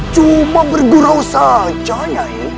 coba bergurau saja nyai